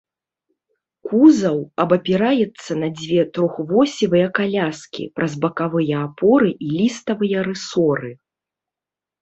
Кузаў абапіраецца на дзве трохвосевыя каляскі праз бакавыя апоры і ліставыя рысоры.